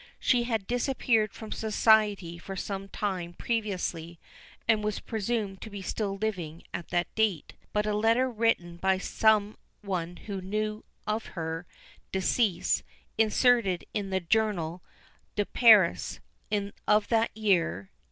She had disappeared from society for some time previously, and was presumed to be still living at that date; but a letter written by some one who knew of her decease, inserted in the Journal de Paris of that year (No.